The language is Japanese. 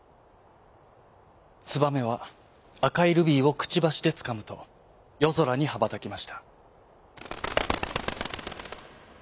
ツバメはあかいルビーをくちばしでつかむとよぞらにはばたきました。